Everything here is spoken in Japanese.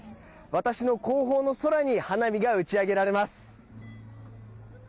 私の後方の空に花火が打ち上げられます。